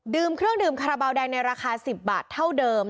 เครื่องดื่มคาราบาลแดงในราคา๑๐บาทเท่าเดิม